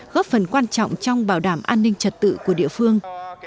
góp phần quan trọng trong bảo đảm an ninh trật tự của địa phương